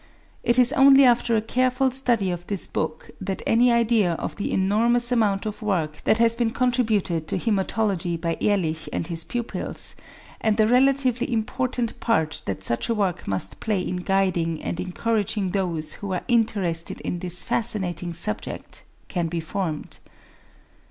It is only after a careful study of this book that any idea of the enormous amount of work that has been contributed to hæmatology by Ehrlich and his pupils, and the relatively important part that such a work must play in guiding and encouraging those who are interested in this fascinating subject, can be formed.